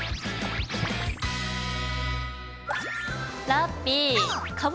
ラッピィ。